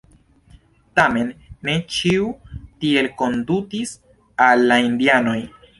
Tamen ne ĉiu tiel kondutis al la indianoj.